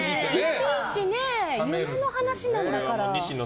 いちいちね、夢の話なんだから。